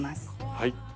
はい。